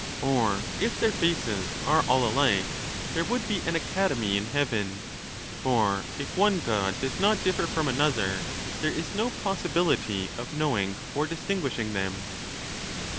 Or if their faces are all alike, there would be an Academy' in heaven ; for if one God does not differ from another, there is no possibility of knowing or distinguishing them.